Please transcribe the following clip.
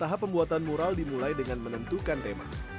tahap pembuatan mural dimulai dengan menentukan tema